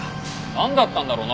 なんだったんだろうな？